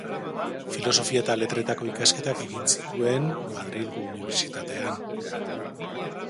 Filosofia eta letretako ikasketak egin zituen Madrilgo Unibertsitatean.